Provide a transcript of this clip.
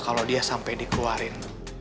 kalau dia sampai dikeluarin